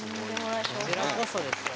こちらこそですよ。